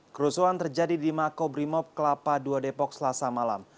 kerusuhan terjadi di makobrimob kelapa dua depok selasa malam